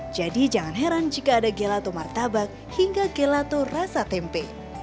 jadi jangan heran jika ada gelato martabak hingga gelato rasa tempe